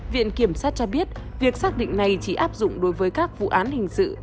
viện kiểm sát cho biết việc xác định này chỉ áp dụng đối với các vụ án hình sự